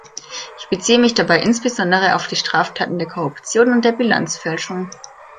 Ich beziehe mich dabei insbesondere auf die Straftaten der Korruption und der Bilanzfälschung.